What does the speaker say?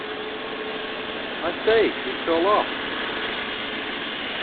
I say, it's all off.